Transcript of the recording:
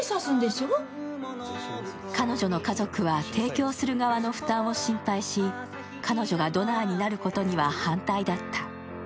彼女の家族は提供する側の負担を心配し彼女がドナーになることには反対だった。